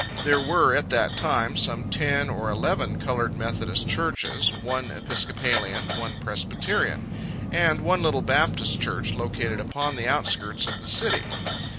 There were, at that time, some ten or eleven colored Methodist churches, one Episcopalian, one Presbyterian; and one little Baptist church, located upon the outskirts of the city.